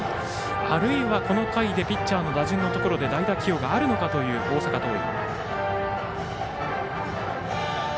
あるいは、この回でピッチャーの打順のところで代打起用があるのかという大阪桐蔭。